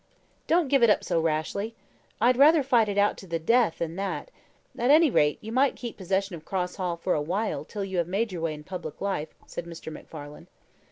"Don't give it up so rashly. I'd rather fight it out to the death than that. At any rate, you might keep possession of Cross Hall for a while till you made your way in public life," said Mr. MacFarlane.